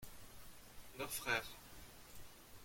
Leur frère.